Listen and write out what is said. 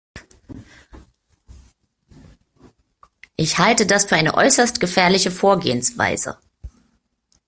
Ich halte das für eine äußerst gefährliche Vorgehensweise.